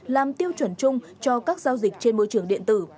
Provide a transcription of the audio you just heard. làm tiêu chuẩn chung cho các giao dịch trên môi trường điện tử